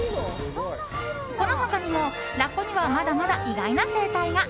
この他にも、ラッコにはまだまだ意外な生態が。